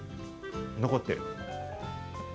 残ってる。